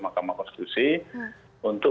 makamah konstitusi untuk